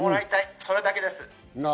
それだけです。